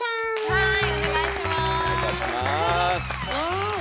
はい。